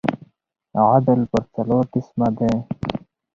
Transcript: عدل پر څلور قسمه دئ.